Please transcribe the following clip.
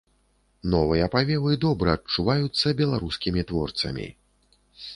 Новыя павевы добра адчуваюцца беларускімі творцамі.